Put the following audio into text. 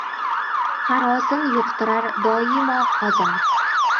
Qarosin yuqtirar doimo qozon